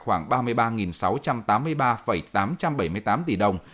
khoảng ba mươi ba sáu trăm tám mươi ba tám trăm bảy mươi tám tỷ đồng